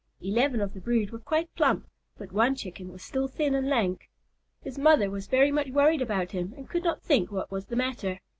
Eleven of the brood were quite plump, but one Chicken was still thin and lank. His mother was very much worried about him and could not think what was the matter.